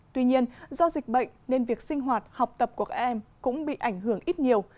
tuy nhiên do dịch bệnh nên việc sinh hoạt học tập của các em cũng bị ảnh hưởng ít nhiều